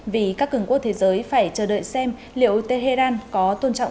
vì các cường quốc thế giới phải chờ đợi xem liệu tehran có tôn trọng